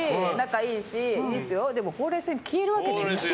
でもほうれい線消えるわけねえじゃん。